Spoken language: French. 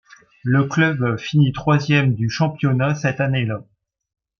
Le club finit troisième du championnat cette année-là.